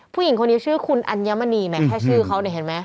ผู้หญิงคนนี้ชื่อคุณอัญมณีแหมแค่ชื่อเขาเนี่ยเห็นไหม